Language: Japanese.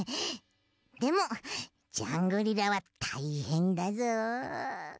でもジャングリラはたいへんだぞ！